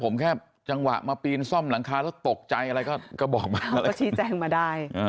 ผมแค่จังหวะมาปีนซ่อมหลังคาแล้วตกใจอะไรก็บอกมา